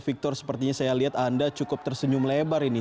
victor sepertinya saya lihat anda cukup tersenyum lebar ini